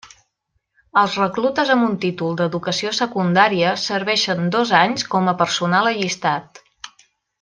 Els reclutes amb un títol d'Educació Secundària serveixen dos anys com a personal allistat.